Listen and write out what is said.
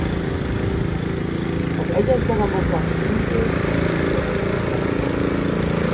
Az egyes darabokat hímzés és csipke díszítette.